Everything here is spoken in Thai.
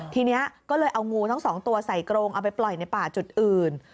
ทีนี้ก็เลยเอางูทั้งสองตัวใส่กรงเอาไปปล่อยในป่าจุดอื่น